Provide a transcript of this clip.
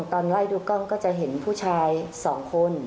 ตอนไล่ดูกล้องก็จะเห็นผู้ชาย๒คน